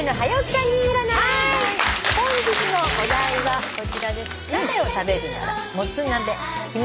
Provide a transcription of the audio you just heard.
本日のお題はこちらです。